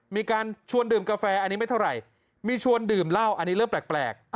มีการชวนดื่มกาแฟอันนี้ไม่เท่าไหร่มีชวนดื่มเหล้าอันนี้เรื่องแปลก